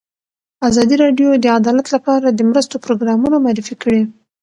ازادي راډیو د عدالت لپاره د مرستو پروګرامونه معرفي کړي.